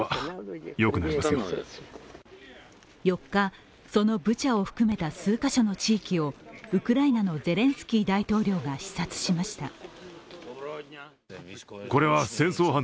４日、そのブチャを含めた数カ所の地域をウクライナのゼレンスキー大統領が視察しました。